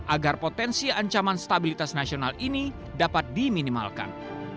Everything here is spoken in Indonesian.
agar potensi ancaman stabilitas nasional ini dapat diminimalkan